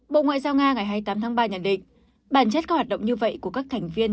bộ ngoại giao nga ngày hai mươi tám tháng ba nhận định bản chất các hoạt động như vậy của các thành viên